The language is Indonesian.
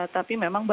tapi memang balik